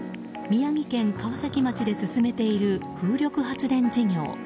宮城県川崎町で進めている風力発電事業。